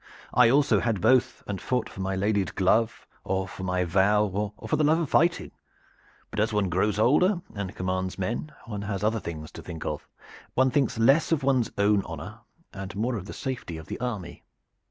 I also had both and fought for my lady's glove or for my vow or for the love of fighting. But as one grows older and commands men one has other things to think of. One thinks less of one's own honor and more of the safety of the army.